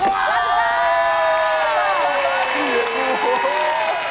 ๑๐ตัว